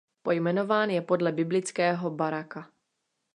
Pojmenován je podle biblického Baraka.